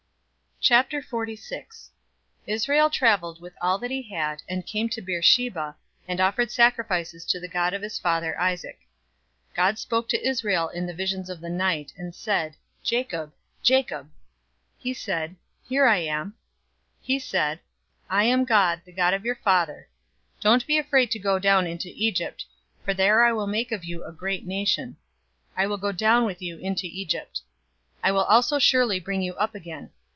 046:001 Israel traveled with all that he had, and came to Beersheba, and offered sacrifices to the God of his father, Isaac. 046:002 God spoke to Israel in the visions of the night, and said, "Jacob, Jacob!" He said, "Here I am." 046:003 He said, "I am God, the God of your father. Don't be afraid to go down into Egypt, for there I will make of you a great nation. 046:004 I will go down with you into Egypt. I will also surely bring you up again.